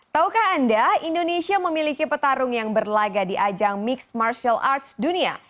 taukah anda indonesia memiliki petarung yang berlaga di ajang mixed martial arts dunia